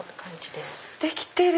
できてる！